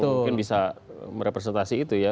mungkin bisa merepresentasi itu ya